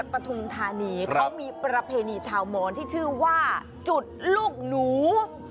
ปฐุมธานีเขามีประเพณีชาวมอนที่ชื่อว่าจุดลูกหนู